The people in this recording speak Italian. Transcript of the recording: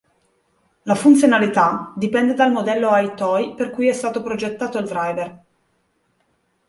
La funzionalità dipende dal modello Eye Toy per cui è stato progettato il driver.